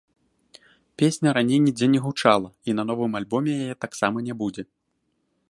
Песня раней нідзе не гучала і на новым альбоме яе таксама не будзе.